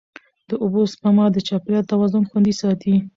د اوبو سپما د چاپېریال توازن خوندي ساتي.